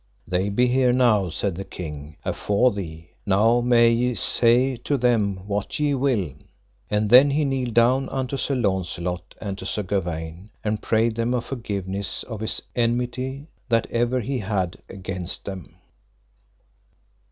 They be here now, said the king, afore thee, now may ye say to them what ye will. And then he kneeled down unto Sir Launcelot, and to Sir Gawaine, and prayed them of forgiveness of his enmity that ever he had against them.